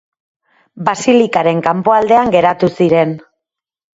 Basilikaren kanpoaldean geratu ziren.